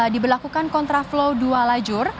diberlakukan kontra flow dua lajur